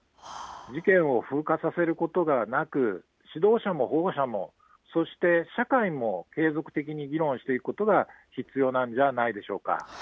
事件を風化させることがなく、指導者も保護者も、そして社会も継続的に議論していくことが必要なんじゃないでしょ